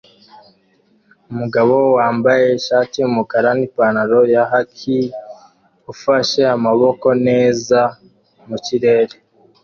Umugabo wambaye ishati yumukara nipantaro ya kahki ufashe amaboko neza mukirere